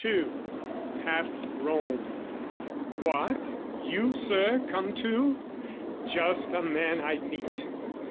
II Half Rome What, you, Sir, come too? (Just the man I'd meet.)